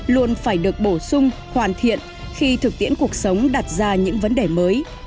luôn phải được bổ sung hoàn thiện khi thực tiễn cuộc sống đặt ra những vấn đề mới